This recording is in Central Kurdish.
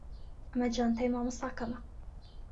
ئەمە جانتای مامۆستاکەمە.